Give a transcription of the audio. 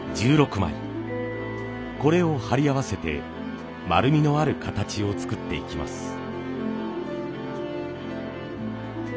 これを貼り合わせて丸みのある形を作っていきます。